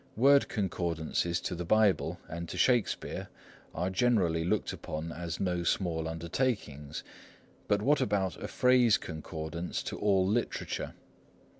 Word concordances to the Bible and to Shakespeare are generally looked upon as no small undertakings, but what about a phrase concordance to all literature?